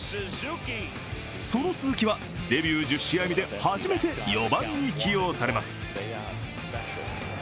その鈴木はデビュー１０試合目で初めて４番に起用されます。